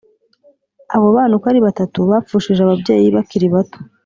Abo bana uko ari batatu bapfushije ababyeyi bakiri bato